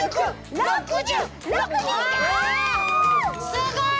すごい！